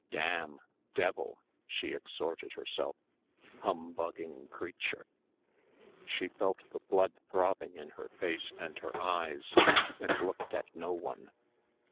"Damn ... Devil ..." she exhorted herself ... "humbugging creature ..." She felt the blood throbbing in her face and her eyes and looked at no one.